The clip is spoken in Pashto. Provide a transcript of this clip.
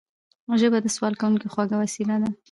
ژبه د سوال کوونکي خوږه وسيله ده